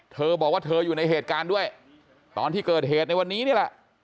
เธอบอกว่าเธออยู่ในเหตุการณ์ด้วยตอนที่เกิดเหตุในวันนี้นี่แหละ